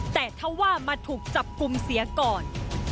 แต่ถ้าว่ามาถูกจับกลุ่มเสียก่อน